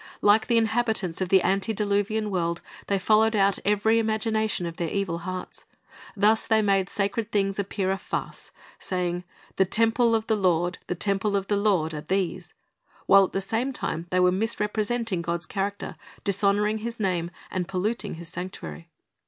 Like the inhabitants of the antediluvian world, they followed out eveiy imagination of their evil hearts. Thus they made sacred things appear a farce, saying, "The temple of the Lord, the temple of the Lord, are these,"' while at the same time they were misrepresenting God's character, dishonoring His name, and polluting His sanctuary.